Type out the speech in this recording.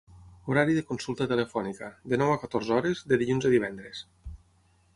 Horari de consulta telefònica: de nou a catorze hores de dilluns a divendres.